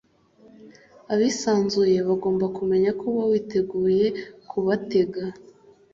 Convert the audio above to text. abisanzuye bagomba kumenya ko uba witeguye kubatega